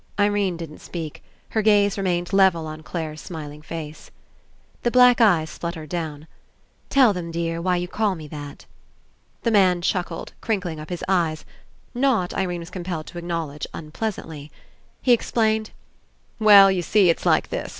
Irene didn't speak. Her gaze remained level on Clare's smiling face. The black eyes fluttered down. *'Tell them, dear, why you call me that." The man chuckled, crinkling up his eyes, not, Irene was compelled to acknowledge, un pleasantly. He explained: "Well, you see, it's like this.